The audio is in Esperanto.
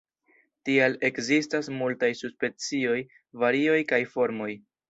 Tial ekzistas multaj subspecioj, varioj kaj formoj.